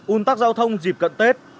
un tắc giao thông dịp cận tết